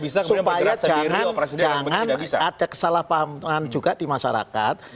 supaya jangan ada kesalahpahaman juga di masyarakat